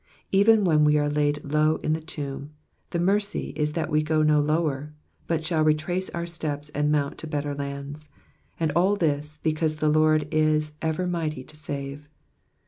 Even when we are laid low in the tomb, the mercy is that we can go no lower, but shall retrace our steps and mount to better lands ; and all this, be cause the Lord is ever mighty to save.